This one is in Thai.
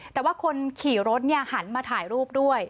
แต่ว่าคนขี่รถหันมาถ่ายรูปด้วย